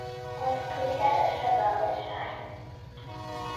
Ond pwysau'r rhyfel oedd y rhain.